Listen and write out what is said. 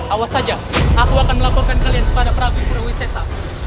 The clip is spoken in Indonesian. awas saja aku akan melakukan kalian kepada prabu surawis sesa